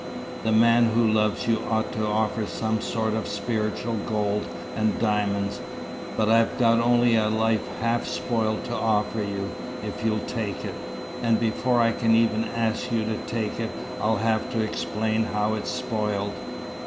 The man who loves you ought to offer some sort of spiritual gold and diamonds, but I've got only a life half spoiled to offer you, if you'll take it. And before I can even ask you to take it, I'll have to explain how it's spoiled."